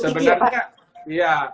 berarti kerugian cukup tinggi ya pak